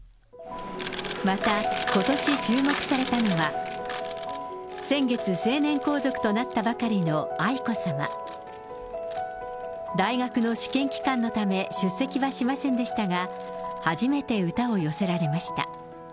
またことし注目されたのは先月、成年皇族となったばかりの愛子さま。大学の試験期間のため、出席はしませんでしたが、初めて歌を寄せられました。